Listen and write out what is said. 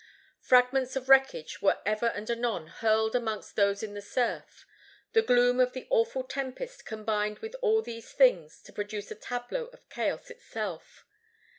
Fragments of wreckage were ever and anon hurled amongst those in the surf. The gloom of the awful tempest combined with all these things to produce a tableau of chaos itself.